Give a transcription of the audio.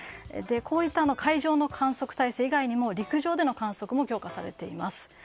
こういった海上の観測体制以外にも陸上での観測も強化されています。